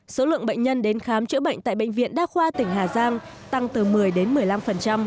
số lượng bệnh nhân đến khám chữa bệnh tại bệnh viện đa khoa tỉnh hà giang tăng từ một mươi đến một mươi năm